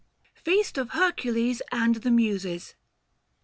FEAST OF HEKCULES AND THE MUSES.